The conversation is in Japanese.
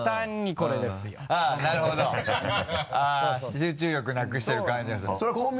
集中力なくしてる感じですね。